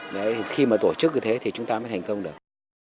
đấy khi mà tổ chức như thế thì chúng ta mới thành công được